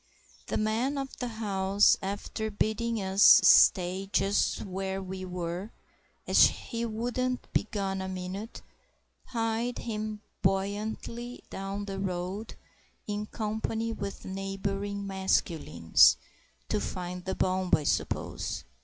The man of the house, after bidding us stay just where we were as he wouldn't be gone a minute, hied him buoyantly down the road in company with neighbouring masculines—to find the bomb, I suppose.